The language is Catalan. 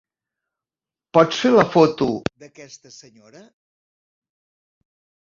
Pots fer la foto d'aquesta senyora?